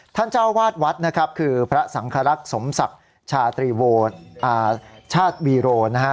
เจ้าวาดวัดนะครับคือพระสังครักษ์สมศักดิ์ชาตรีชาติวีโรนะฮะ